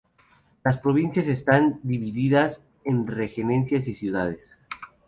Las provincias están divididas en regencias y ciudades.